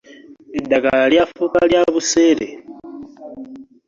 Eddagala lyafuuka lya buseere.